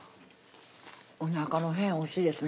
おなかの辺おいしいですね